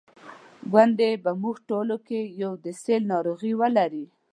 ګوندي په موږ ټولو کې یو د سِل ناروغي ولري.